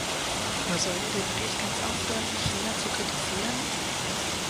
Aber sollen wir wirklich ganz aufhören, China zu kritisieren?